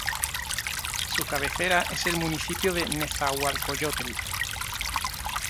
Su cabecera es el Municipio de Nezahualcoyotl.